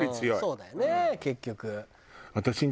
そうだよね結局。